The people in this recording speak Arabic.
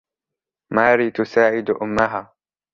ماري تساعد أُمّها.